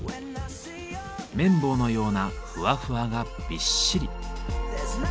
綿棒のようなふわふわがびっしり。